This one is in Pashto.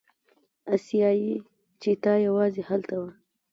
اسیایي چیتا یوازې هلته شته.